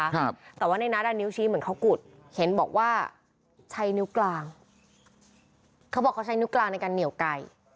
ครับแต่ว่าในนัดอ่ะนิ้วชี้เหมือนเขากุดเห็นบอกว่าใช้นิ้วกลางเขาบอกเขาใช้นิ้วกลางในการเหนียวไก่